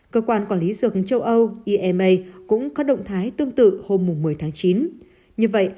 cơ quan quản lý rừng châu âu ima cũng có động thái tương tự hôm một mươi tháng chín như vậy